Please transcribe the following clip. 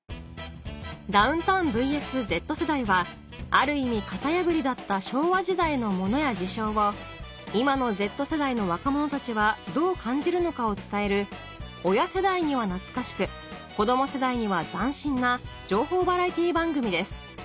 『ダウンタウンｖｓＺ世代』はある意味型破りだった昭和時代の物や事象を今のＺ世代の若者たちはどう感じるのかを伝える親世代には懐かしく子供世代には斬新な情報バラエティ番組です